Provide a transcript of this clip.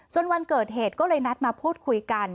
วันเกิดเหตุก็เลยนัดมาพูดคุยกัน